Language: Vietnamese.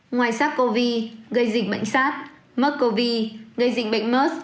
ngoài sars cov gây dịch bệnh sars mers cov gây dịch bệnh mers